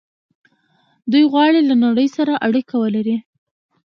دوی غواړي له نړۍ سره اړیکه ولري.